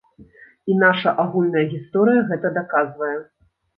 І наша агульная гісторыя гэта даказвае.